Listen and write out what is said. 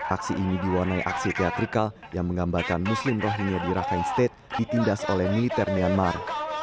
aksi ini diwarnai aksi teatrikal yang menggambarkan muslim rohingya di rafain state ditindas oleh militer myanmar